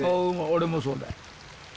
俺もそうだよ。